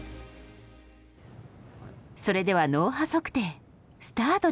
それでは脳波測定スタートです。